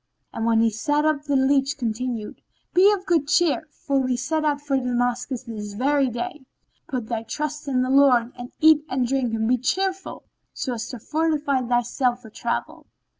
And when he sat up the leach continued, "Be of good cheer for we set out for Damascus this very day: put thy trust in the Lord and eat and drink and be cheerful so as to fortify thyself for travel."